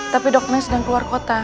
tapi dognes sedang keluar kota